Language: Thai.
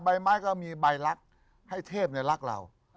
ใบไม้ก็มีใบลักษณ์ให้เทพในลักษณ์เรา